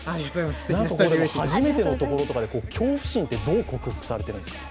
初めてのところで恐怖心ってどう克服されているんですか？